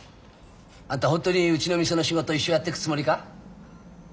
あんたホントにうちの店の仕事を一生やってくつもりか？